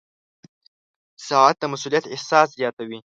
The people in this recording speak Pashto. • ساعت د مسؤولیت احساس زیاتوي.